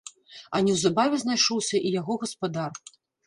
А неўзабаве знайшоўся і яго гаспадар.